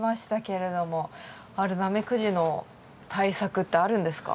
あれナメクジの対策ってあるんですか？